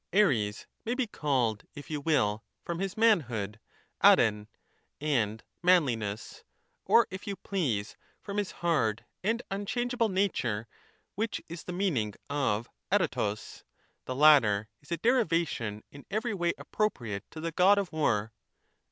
Soc. Ares may be called, if you will, from his manhood {apptv) and manliness, or if you please, from his hard and un changeable nature, which is the meaning of apparog : the latter is a derivation in every way appropriate to the God of war.